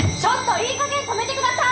いい加減止めてください！